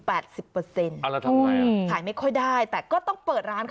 แล้วทำยังไงขายไม่ค่อยได้แต่ก็ต้องเปิดร้าน